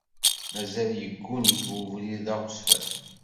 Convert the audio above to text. Mazal yegguni-k ubrid d aɣezfan.